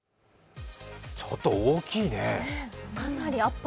ちょっと大きいね。